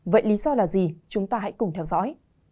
vậy lý do là gì chúng ta hãy cùng theo dõi